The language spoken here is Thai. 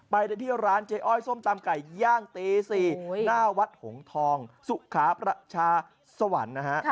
ไปได้ที่ร้านเจ๊อ้อยส้มตำไก่ย่างตี๔หน้าวัดหงทองสุขาประชาสวรรค์นะฮะ